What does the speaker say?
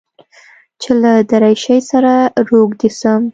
چې له دريشۍ سره روږدى سم.